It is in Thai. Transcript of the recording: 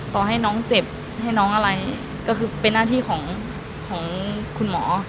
ต่อให้น้องเจ็บให้น้องอะไรก็คือเป็นหน้าที่ของคุณหมอ